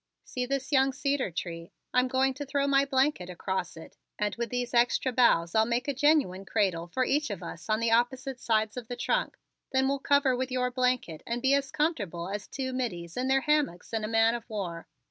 See this young cedar tree? I'm going to throw my blanket across it and with these extra boughs I'll make a genuine cradle for each of us on the opposite sides of the trunk. Then we'll cover with your blanket and be as comfortable as two middies in their hammocks in a man of war.